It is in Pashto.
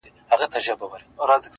ه ياره د څراغ د مــړه كولو پــه نـيت.